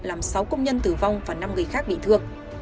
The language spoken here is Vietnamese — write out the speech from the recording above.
làm sáu công nhân tử vong và năm người khác bị thương